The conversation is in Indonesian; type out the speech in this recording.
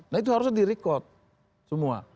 nah itu harusnya di record semua